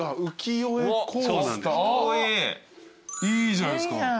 いいじゃないですか。